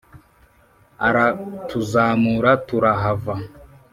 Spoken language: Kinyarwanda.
aratuzamura turahava.